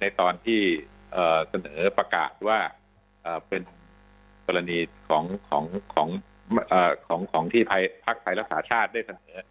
ในตอนที่เสนอประกาศว่าเป็นกรณีของที่พักไทยรักษาชาติได้เสนอ